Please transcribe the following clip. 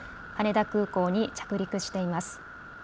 羽田空港に着陸しています。